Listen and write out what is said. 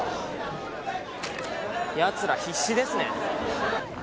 やつら必死ですね。